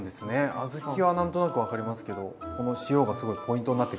小豆は何となく分かりますけどこの塩がすごいポイントになってくるんですね。